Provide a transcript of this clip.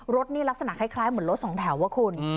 รถนี่ลักษณะคล้ายเหมือนรถสองแถวอะคุณ